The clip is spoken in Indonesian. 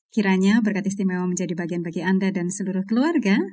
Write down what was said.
kiranya berkat istimewa menjadi bagian bagi anda dan seluruh keluarga